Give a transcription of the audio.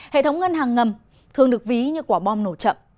hệ thống ngân hàng ngầm thường được ví như quả bom nổ chậm